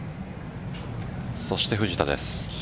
そして藤田です。